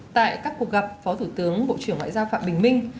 tại các cuộc gặp phó thủ tướng bộ trưởng ngoại giao phạm bình minh